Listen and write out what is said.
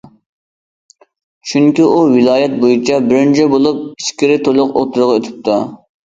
چۈنكى ئۇ ۋىلايەت بويىچە بىرىنچى بولۇپ ئىچكىرى تولۇق ئوتتۇرىغا ئۆتۈپتۇ.